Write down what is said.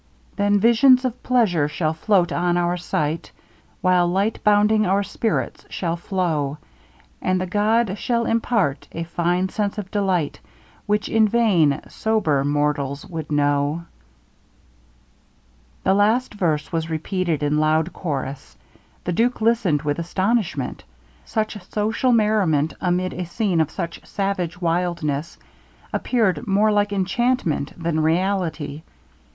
Then visions of pleasure shall float on our sight, While light bounding our spirits shall flow; And the god shall impart a fine sense of delight Which in vain sober mortals would know. The last verse was repeated in loud chorus. The duke listened with astonishment! Such social merriment amid a scene of such savage wildness, appeared more like enchantment than reality.